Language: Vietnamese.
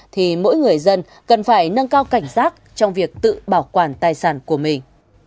thì mỗi người dân cần phải nâng cao cảnh giác trong việc tự bảo quản tài sản của mình